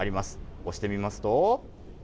押してみますと。